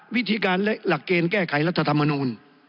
วิธีการและหลักเกณฑ์แก้ไขรัฐธรรมนูล